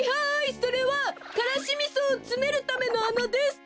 それはからしみそをつめるためのあなです！